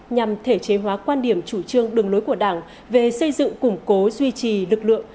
nhằm thể chế hóa quan điểm chủ trương đường lối của đảng về xây dựng củng cố duy trì lực lượng